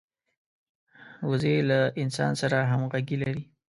وزې له انسان سره همږغي لري